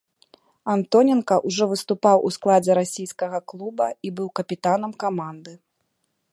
Антоненка ўжо выступаў у складзе расійскага клуба і быў капітанам каманды.